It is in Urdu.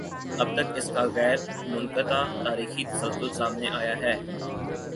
اب تک اس کا غیر منقطع تاریخی تسلسل سامنے آیا ہے۔